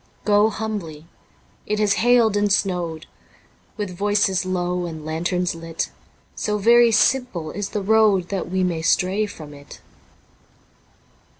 Go humbly ... it has hailed and snowed ... With voices low and lanterns lit, So very simple is the road. That we may stray from it.